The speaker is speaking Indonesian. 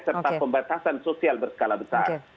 serta pembatasan sosial berskala besar